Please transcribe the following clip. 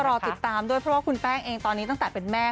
รอติดตามด้วยเพราะว่าคุณแป้งเองตอนนี้ตั้งแต่เป็นแม่